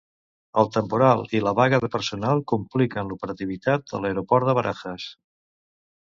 El temporal i la vaga de personal compliquen l'operativitat de l'aeroport de Barajas.